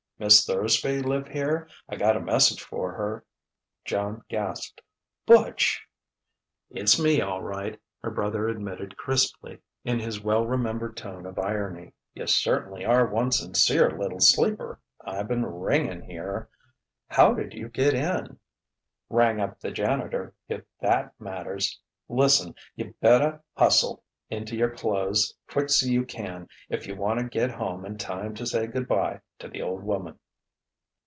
"Miss Thursby live here? I got a message for her." Joan gasped: "Butch!" "It's me, all right," her brother admitted crisply in his well remembered tone of irony. "You certainly are one sincere little sleeper. I been ringing here " "How did you get in?" "Rang up the janitor if that matters. Lis'n: you betta hustle into your clothes quick 's you can if you wanta get home in time to say good bye to the old woman."